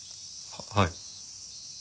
はい。